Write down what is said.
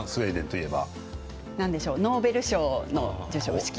ノーベル賞の授賞式。